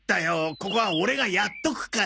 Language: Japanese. ここはオレがやっとくから。